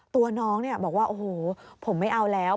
ตัวน้องบอกว่าโอ้โหผมไม่เอาแล้ว